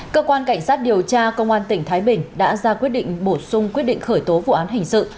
cơ quan cảnh sát điều tra công an tỉnh thái bình đã ra quyết định bổ sung quyết định khởi tố vụ án hình sự